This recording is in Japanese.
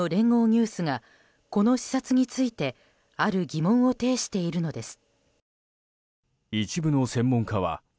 ニュースがこの視察についてある疑問を呈しているのです。